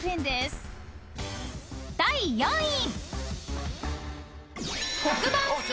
［第４位］